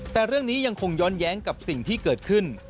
แต่เรื่องนี้ยังคงย้อนแย้งกับสิ่งที่เกิดขึ้น